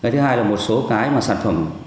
thứ hai là một số sản phẩm